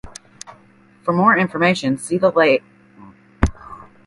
For more information, see the track layout diagrams on the corresponding articles.